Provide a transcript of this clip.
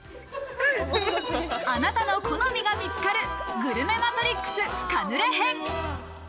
あなたの好みが見つかるグルメマトリックス、カヌレ編。